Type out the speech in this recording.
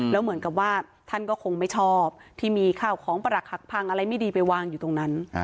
แล้วเหมือนกับว่าท่านก็คงไม่ชอบที่มีข้าวของปรักหักพังอะไรไม่ดีไปวางอยู่ตรงนั้น